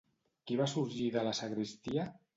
Qui va sorgir de la sagristia?